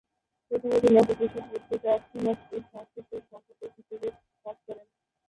প্রথমে তিনি একটি শিশু পত্রিকা "খুনচ"-এ সংশ্লিষ্ট সম্পাদক হিসেবে কাজ করেন।